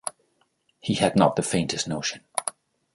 He had not the faintest notion.